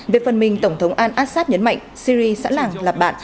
về phần mình tổng thống al assad nhấn mạnh syri sẽ làm là bạn